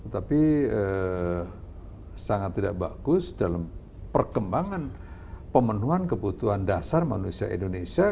tapi sangat tidak bagus dalam perkembangan pemenuhan kebutuhan dasar manusia indonesia